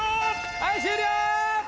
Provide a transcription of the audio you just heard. はい終了！